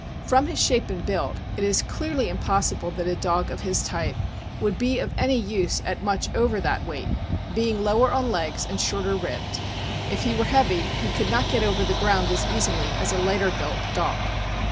From his shape and build it is clearly im possible that a dog of his type would be of any use at much over that weight, being lower on legs and shorter ribbed; if he were heavy, he could not get over the ground as easily as a lighter built dog.